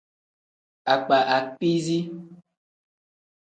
Akpa akpiizi.